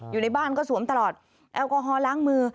อยู่ในบ้านก็สวมตลอดแอลกอฮอลล้างมือ